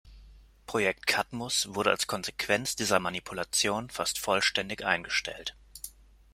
Projekt Cadmus wurde als Konsequenz dieser Manipulation fast vollständig eingestellt.